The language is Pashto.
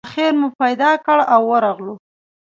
آخر مو پیدا کړ او ورغلو.